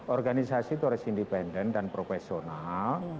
organisasi itu harus independen dan profesional